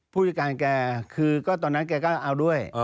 ผู้จัดการแกคือก็ตอนนั้นแกก็เอาด้วย